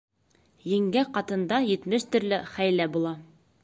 Еңгә ҡатында етмеш төрлө хәйлә була.